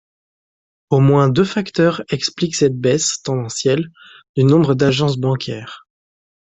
Au moins deux facteurs expliquent cette baisse, tendancielle, du nombre d'agences bancaires.